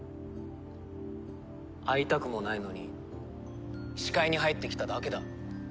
会いたくもないのに視界に入ってきただけだ。